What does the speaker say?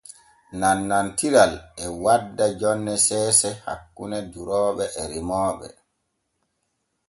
Nannantiral e wadda jonne seese hakkune durooɓe e remooɓe.